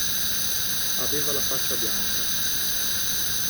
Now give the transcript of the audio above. Aveva la faccia bianca.